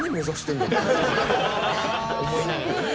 思いながら。